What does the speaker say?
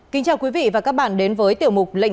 cảm ơn các bạn đã theo dõi